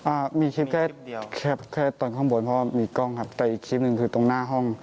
อ่ามีคลิปแคบก็ตอนข้างบนเพราะว่ามีกล้องฮาบ